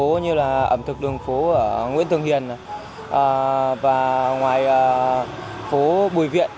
bao nhiêu là ẩm thực đường phố ở nguyễn thường hiền và ngoài phố bùi viện